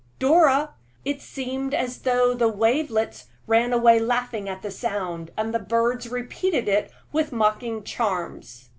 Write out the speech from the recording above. Dora!" It seemed as though the wavelets ran away laughing at the sound, and the birds repeated it with mocking charms.